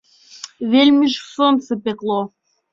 Вельмі ж сонца пякло.